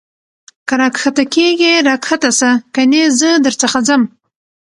که را کښته کېږې را کښته سه کنې زه در څخه ځم.